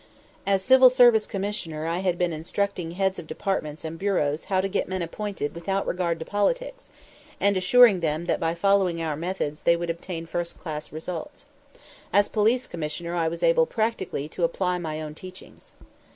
As Civil Service Commissioner I had been instructing heads of departments and bureaus how to get men appointed without regard to politics, and assuring them that by following our methods they would obtain first class results. As Police Commissioner I was able practically to apply my own teachings.